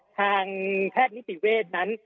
ทางแพทย์นิติเวชนั้น